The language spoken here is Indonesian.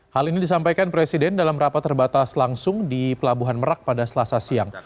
hal ini disampaikan presiden dalam rapat terbatas langsung di pelabuhan merak pada selasa siang